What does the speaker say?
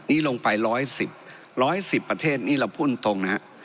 นี่ลงไปร้อยสิบร้อยสิบประเทศนี่แหละพูดตรงนะฮะ